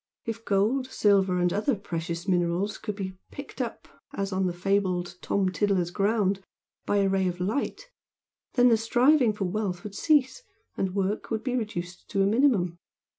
If gold, silver and other precious minerals could be "picked up" as on the fabled Tom Tiddler's ground, by a ray of light, then the striving for wealth would cease and work would be reduced to a minimum.